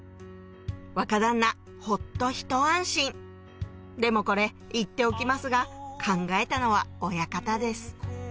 若旦那ほっとひと安心でもこれ言っておきますが考えたのは親方です